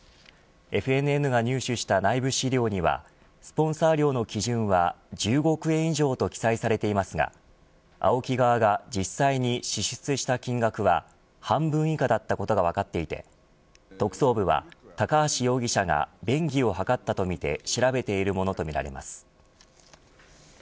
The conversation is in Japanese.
ＦＮＮが入手した内部資料にはスポンサー料の基準は１５億円以上と記載されていますがＡＯＫＩ側が実際に支出した金額は半分以下だったことが分かっていて特捜部は、高橋容疑者が便宜を図ったとみて調べているものとみられます。